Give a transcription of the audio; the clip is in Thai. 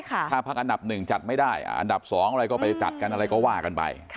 ถ้าพักอันดับ๑จัดไม่ได้อันดับ๒อะไรก็ไปจัดกันอะไรก็ว่ากันไป